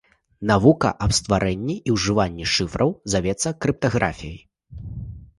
Навука аб стварэнні і ўжыванні шыфраў завецца крыптаграфіяй.